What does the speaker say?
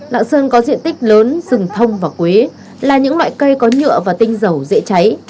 lạng sơn có diện tích lớn rừng thông và quế là những loại cây có nhựa và tinh dầu dễ cháy